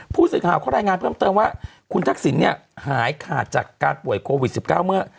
ผู้สื่อข่าวเขารายงานเพิ่มเติมว่าคุณทักษิณเนี่ยหายขาดจากการป่วยโควิด๑๙เมื่อ